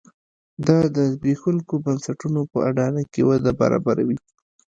دا د زبېښونکو بنسټونو په اډانه کې وده برابروي.